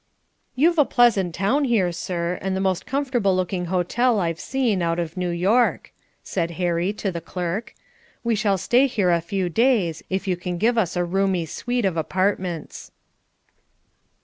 "You've a pleasant town here, sir, and the most comfortable looking hotel I've seen out of New York," said Harry to the clerk; "we shall stay here a few days if you can give us a roomy suite of apartments."